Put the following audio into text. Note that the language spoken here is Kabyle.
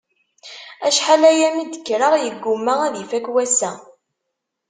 Acḥal-aya mi d-kkreɣ, yegguma ad ifakk wassa.